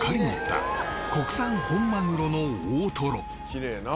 「きれいやな」